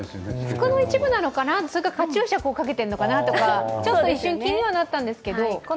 福の一部なのかな、カチューシャかけているのかなとか、ちょっと一瞬、気にはなったんですけど。